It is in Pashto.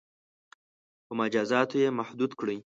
• په مجازاتو یې محدود کړئ.